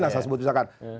nah saya sebut misalkan